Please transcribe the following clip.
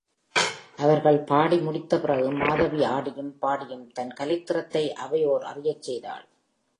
அவர்கள் பாடி முடித்த பிறகு மாதவி ஆடியும், பாடியும் தன் கலைத் திறத்தை அவையோர் அறியச் செய்தாள்.